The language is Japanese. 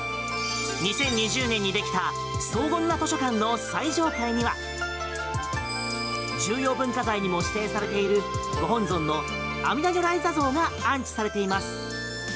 ２０２０年にできた荘厳な図書館の最上階には重要文化財にも指定されているご本尊の阿弥陀如来坐像が安置されています。